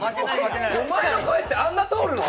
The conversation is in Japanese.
お前の声って、あんな通るの？